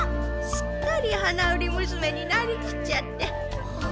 すっかり花売りむすめになりきっちゃって。